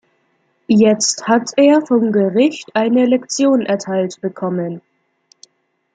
Jetzt hat er vom Gericht eine Lektion erteilt bekommen.